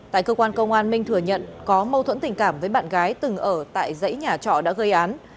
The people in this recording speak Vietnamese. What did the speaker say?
tại cơ quan công an minh thừa nhận có mâu thuẫn tình cảm với bạn gái từng ở tại dãy nhà trọ đã gây án